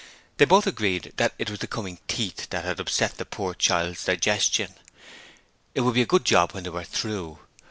They both agreed that it was the coming teeth that had upset the poor child's digestion. It would be a good job when they were through.